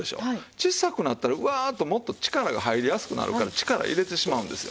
小さくなったらうわーっともっと力が入りやすくなるから力入れてしまうんですよ。